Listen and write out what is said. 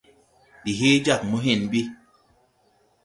Ndi hee jag mo, hȩn ɓi.